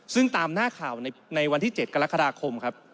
ซึ่งตามหน้าข่าวในวันที่๗กรกฎาคมครับ